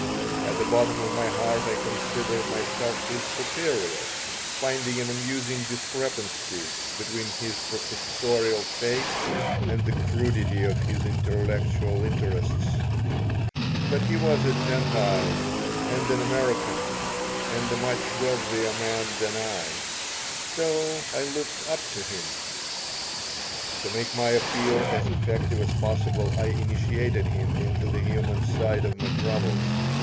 At the bottom of my heart I considered myself his superior, finding an amusing discrepancy between his professorial face and the crudity of his intellectual interests; but he was a Gentile, and an American, and a much wealthier man than I, so I looked up to him.) To make my appeal as effective as possible I initiated him into the human side of my troubles.